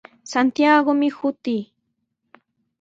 Santiagomi shutii.